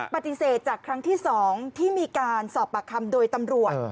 ปฏิเสธจากครั้งที่๒ที่มีการสอบปากคำโดยตำรวจ